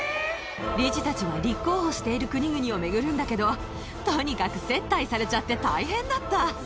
理事たちは立候補している国々を巡るんだけど、とにかく接待されちゃって大変だった。